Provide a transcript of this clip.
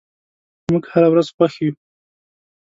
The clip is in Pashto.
موږ هره ورځ خوښ یو.